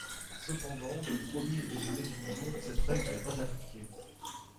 Cependant, le premier et le neuvième jours, cette règle n'est pas appliquée.